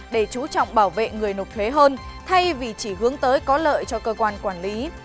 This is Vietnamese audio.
để chú trọng bảo vệ người nộp thuế hơn thay vì chỉ hướng tới có lợi cho cơ quan quản lý